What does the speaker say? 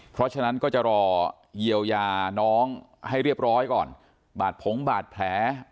เพราะฉะนั้นก็จะรอเยียวยาน้องให้เรียบร้อยก่อนบาดผงบาดแผล